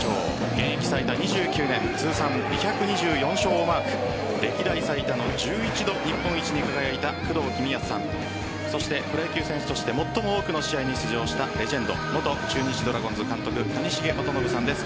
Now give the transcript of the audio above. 現役最多２９年通算２２４勝をマーク歴代最多の１１度日本一に輝いた工藤公康さんそしてプロ野球選手として最も多くの試合に出場したレジェンド元中日ドラゴンズ監督谷繁元信さんです。